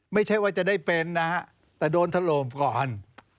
ไม่ใช่ว่าจะได้เป็นนะฮะแต่โดนถล่มก่อน